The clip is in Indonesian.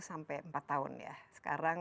sampai empat tahun ya sekarang